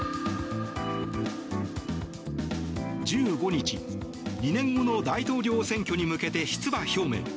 １５日、２年後の大統領選挙に向けて出馬表明。